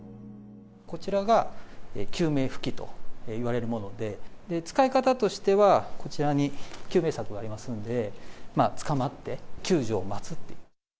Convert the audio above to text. こちらが救命浮器といわれるもので、使い方としては、こちらに救命柵がありますんで、つかまって救助を待つっていう。